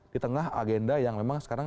di tengah agenda yang memang sekarang